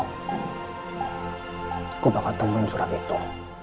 aku bakal temuin surat itu